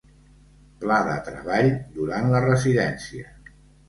Pla de treball durant la residència.